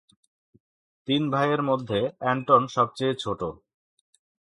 তিন ভাইয়ের মধ্যে অ্যান্টন সবচেয়ে ছোট।